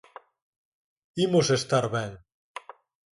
Imos estar ben.